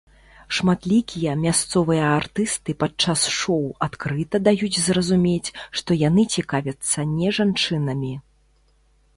Шматлікія мясцовыя артысты падчас шоу адкрыта даюць зразумець, што яны цікавяцца не жанчынамі.